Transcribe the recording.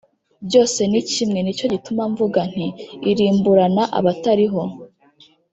byose ni kimwe ni cyo gituma mvuga nti ‘irimburana abatariho